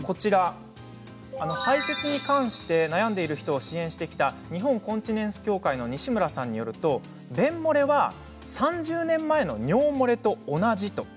排せつに関して悩んでいる方を支援してきた日本コンチネンス協会の西村さんによると便もれは３０年前の尿もれと同じと。